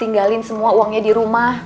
tinggalin semua uangnya di rumah